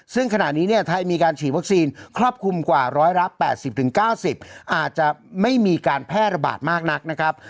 ซึ่งขณะนี้เนี่ยไทยมีการฉีดวัคซีนครอบคลุมกว่า๑๘๐๙๐อาจจะไม่มีการแพร่ระบาดมากนักนะครับ